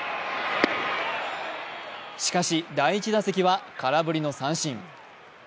しかし第１打席は空振りの三振。